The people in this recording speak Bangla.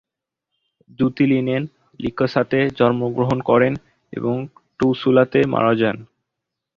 জুতিলিনেন লিকেসাতে জন্মগ্রহণ করেন এবং টুউসুলাতে মারা যান।